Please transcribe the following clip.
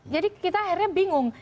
jadi kita akhirnya bingung